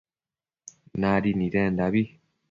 Nadi nidendabi